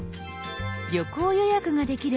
旅行予約ができる